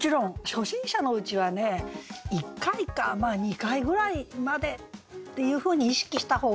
初心者のうちはね１回か２回ぐらいまでっていうふうに意識した方がいいかもしれないですね。